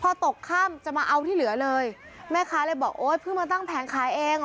พอตกค่ำจะมาเอาที่เหลือเลยแม่ค้าเลยบอกโอ๊ยเพิ่งมาตั้งแผงขายเอง